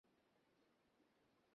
সরে যান এখনই।